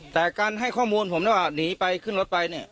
แต่การให้ข้อมูลผมได้ว่าหนีไปขึ้นรถไปเนี่ย